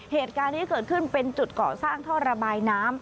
เหตุการณ์นี้เกิดขึ้นเป็นจุดก่อสร้างท่อระบายน้ำ